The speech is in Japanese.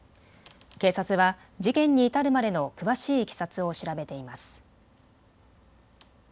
警察は事件に至るまでの詳しいいきさつを調べています。